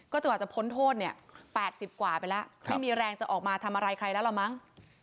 ก็จะอาจจะพ้นโทษ๘๐กว่าไปแล้วไม่มีแรงจะออกมาทำอะไรใครแล้วเหรอมั้ง